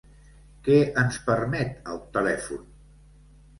Què ens permet el telèfon?